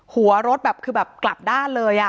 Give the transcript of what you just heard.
หัวรถแบบคือแบบกลับด้านเลย